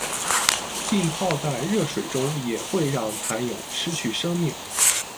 浸泡在热水中也会让蚕蛹失去生命。